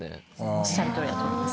おっしゃる通りだと思います。